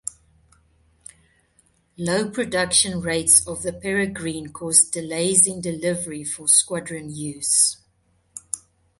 Low production rates of the Peregrine caused delays in delivery for squadron use.